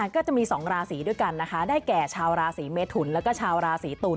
ก็จะมี๒ราศีด้วยกันนะคะได้แก่ชาวราศีเมทุนแล้วก็ชาวราศีตุล